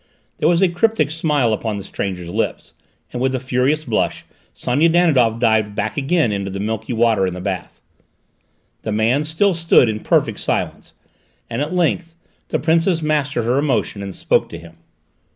There was a cryptic smile upon the stranger's lips, and with a furious blush Sonia Danidoff dived back again into the milky water in the bath. The man still stood in perfect silence, and at length the Princess mastered her emotion and spoke to him.